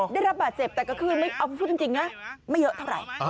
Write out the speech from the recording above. ได้รับบาทเจ็บแต่ก็คือเอาคือพูดจริงนะ